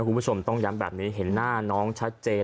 คุณผู้ชมต้องย้ำแบบนี้เห็นหน้าน้องชัดเจน